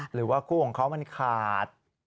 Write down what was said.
หรือว่าคู่ของเขามันขาด